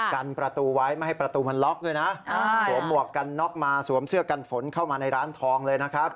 กันประตูไว้ไม่ให้ประตูมันล็อกด้วยนะสวมหมวกกันน็อกมาสวมเสื้อกันฝนเข้ามาในร้านทองเลยนะครับ